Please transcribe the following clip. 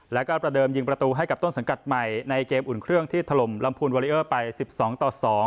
แล้วก็ประเดิมยิงประตูให้กับต้นสังกัดใหม่ในเกมอุ่นเครื่องที่ถล่มลำพูนวาริเออร์ไป๑๒ต่อ๒